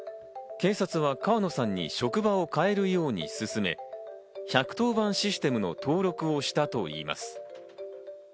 警察は川野さんに職場を変えるように進め、１１０番システムの登録をしたといいます。